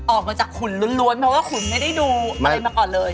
ออกมาจากขุนล้วนเพราะว่าขุนไม่ได้ดูอะไรมาก่อนเลย